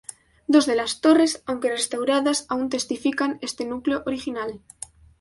Dos de las torres, aunque restauradas, aún testifican este núcleo original.